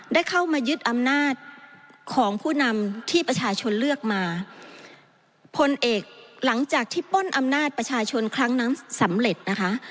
ได้เข้ามายึดอำนาจของผู้นำที่ประชาชนเลือกมาพลเอกหลังจากที่ป้นอำนาจประชาชนครั้งนั้นสำเร็จนะคะ